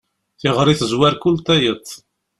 Tiɣri tezwar kul tayeḍ.